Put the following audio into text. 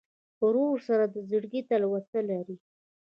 ورور سره د زړګي تلوسه لرې.